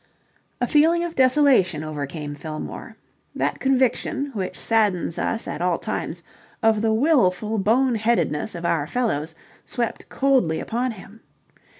A feeling of desolation overcame Fillmore. That conviction, which saddens us at all times, of the wilful bone headedness of our fellows swept coldly upon him.